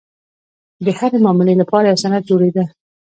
د هرې معاملې لپاره یو سند جوړېده.